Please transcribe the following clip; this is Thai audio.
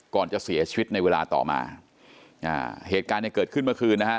ก่อนจะเสียชีวิตในเวลาต่อมาอ่าเหตุการณ์เนี่ยเกิดขึ้นเมื่อคืนนะฮะ